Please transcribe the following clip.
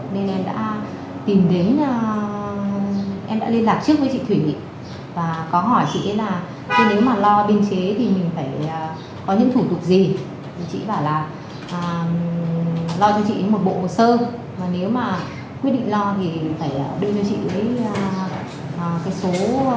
và nếu mà quyết định lo thì phải đưa cho chị cái số tiền phải lo của suất biên chế này là một trăm sáu mươi triệu